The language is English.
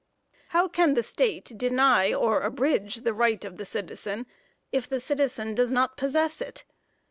How can the state deny or abridge the right of the citizen, if the citizen does not possess it?